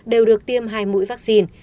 đều được tiêm hai mũi vaccine